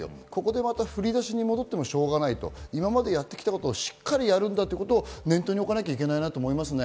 また振り出しに戻ってもしょうがない、今までやってきたことをしっかりやるんだということを念頭に置かなきゃいけないと思います。